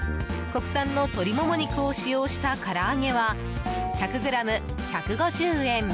国産の鶏モモ肉を使用したからあげは１００ｇ１５０円。